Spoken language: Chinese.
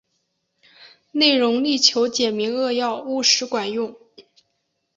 内容力求简明扼要、务实管用